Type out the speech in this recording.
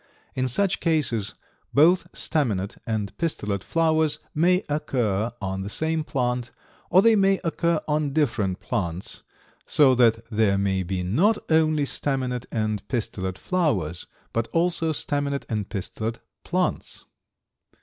In such cases both staminate and pistillate flowers may occur on the same plant, or they may occur on different plants, so that there may be not only staminate and pistillate flowers, but also staminate and pistillate plants.